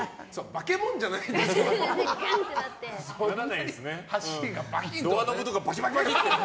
化け物じゃないんですから。